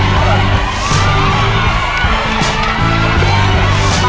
ไปนะคะ๑ถาดครับ